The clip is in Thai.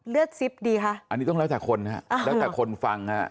ซิปดีคะอันนี้ต้องแล้วแต่คนฮะอ่าแล้วแต่คนฟังฮะ